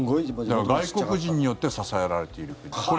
外国人によって支えられている国。